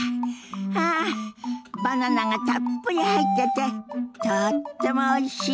あバナナがたっぷり入っててとってもおいしい！